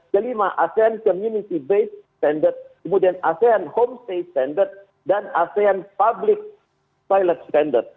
kelima asean community based standard kemudian asean homestay standard dan asean public pilot standard